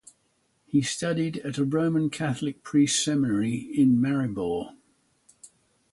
He studied at a Roman Catholic priest seminary in Maribor.